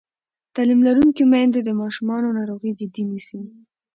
تعلیم لرونکې میندې د ماشومانو ناروغي جدي نیسي.